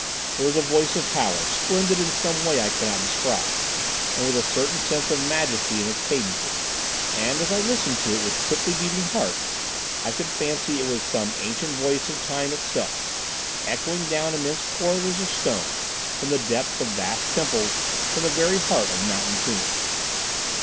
It was a voice of power, splendid in some way I cannot describe, and with a certain sense of majesty in its cadences, and, as I listened to it with quickly beating heart, I could fancy it was some ancient voice of Time itself, echoing down immense corridors of stone, from the depths of vast temples, from the very heart of mountain tombs.